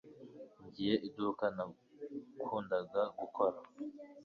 ngiyo iduka nakundaga gukora